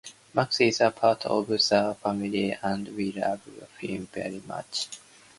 Max is a part of our family, and we love him very much.